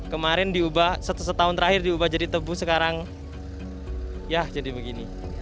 kemarin diubah setahun terakhir diubah jadi tebu sekarang ya jadi begini